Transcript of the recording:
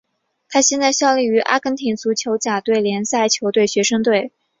他现在效力于阿根廷足球甲级联赛球队学生队。